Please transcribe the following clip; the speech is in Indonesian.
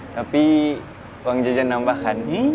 tapi uang jajan nambah kan